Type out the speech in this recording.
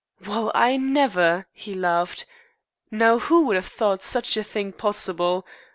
"Well, I never!" he laughed. "Now who would have thought such a thing possible?